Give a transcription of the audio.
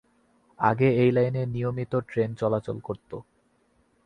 আগে এ লাইনে নিয়মিত ট্রেন চলত করতো।